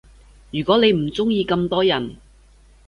如果你唔鐘意咁多人